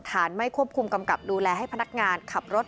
ไม่ควบคุมกำกับดูแลให้พนักงานขับรถ